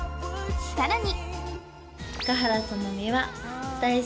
さらに